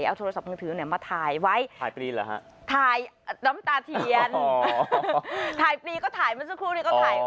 เอาโทรศัพท์มือถือมาถ่ายไว้ถ่ายน้ำตาเทียนถ่ายปีก็ถ่ายมันสักครู่นี้ก็ถ่าย